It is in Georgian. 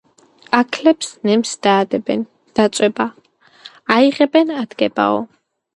აქლემს ნემსს დაადებენ – დაწვება, აიღებენ - ადგებაო